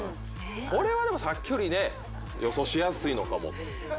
これはさっきより予想しやすいのかも。